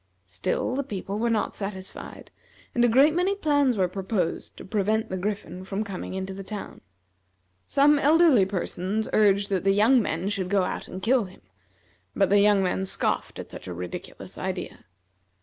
Still the people were not satisfied, and a great many plans were proposed to prevent the Griffin from coming into the town. Some elderly persons urged that the young men should go out and kill him; but the young men scoffed at such a ridiculous idea.